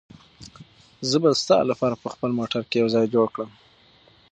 زه به ستا لپاره په خپل موټر کې یو ځای جوړ کړم.